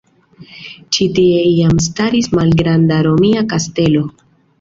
Ĉi tie iam staris malgranda romia kastelo.